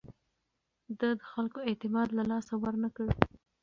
ده د خلکو اعتماد له لاسه ورنه کړ.